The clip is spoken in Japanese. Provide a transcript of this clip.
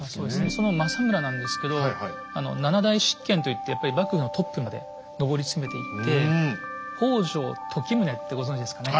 その政村なんですけど「７代執権」といって幕府のトップまで上り詰めていって北条時宗ってご存じですかね。